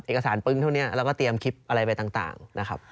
เอกสารปึ้งเท่านี้แล้วก็เตรียมคลิปอะไรไปต่างนะครับ